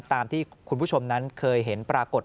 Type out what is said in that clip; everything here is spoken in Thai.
ตามที่คุณผู้ชมนั้นเคยเห็นปรากฏ